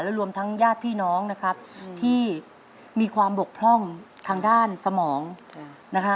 รวมทั้งญาติพี่น้องนะครับที่มีความบกพร่องทางด้านสมองนะครับ